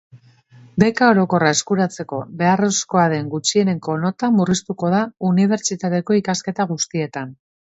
Beka orokorra eskuratzeko beharrezkoa den gutxieneko nota murriztuko da unibertsitateko ikasketa guztietan.